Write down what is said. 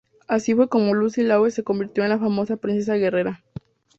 Así fue como Lucy Lawless se convirtió en la famosa Princesa Guerrera.